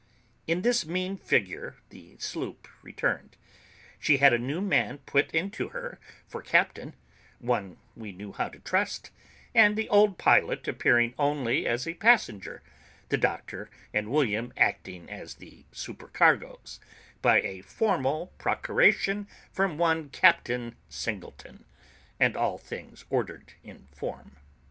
In this mean figure the sloop returned; she had a new man put into her for captain, one we knew how to trust; and the old pilot appearing only as a passenger, the doctor and William acting as the supercargoes, by a formal procuration from one Captain Singleton, and all things ordered in form.